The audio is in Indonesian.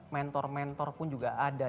mentor mentor pun juga ada